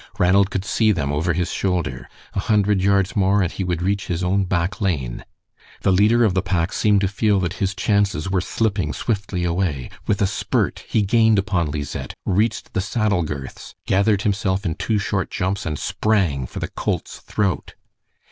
Ranald could see them over his shoulder. A hundred yards more and he would reach his own back lane. The leader of the pack seemed to feel that his chances were slipping swiftly away. With a spurt he gained upon Lizette, reached the saddle girths, gathered himself in two short jumps, and sprang for the colt's throat.